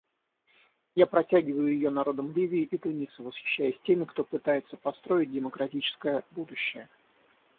Я протягиваю ее народам Ливии и Туниса, восхищаясь теми, кто пытается построить демократическое будущее.